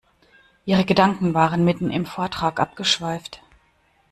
Ihre Gedanken waren mitten im Vortrag abgeschweift.